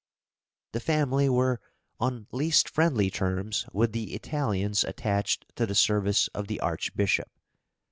The family were on least friendly terms with the Italians attached to the service of the Archbishop.